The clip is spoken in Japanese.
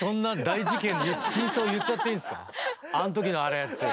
「あん時のあれ」って。